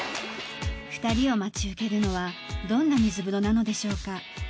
２人を待ち受けるのはどんなみず風呂なのでしょうか。